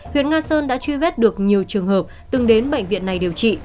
huyện nga sơn đã truy vết được nhiều trường hợp từng đến bệnh viện này điều trị